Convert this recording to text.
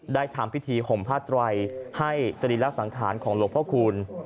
ทำพิธีห่มผ้าไตรให้สรีระสังขารของหลวงพ่อคูณ